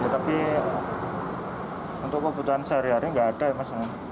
tapi untuk kebutuhan sehari hari nggak ada ya mas